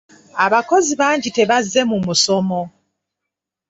Abakozi bangi tebazze mu musomo.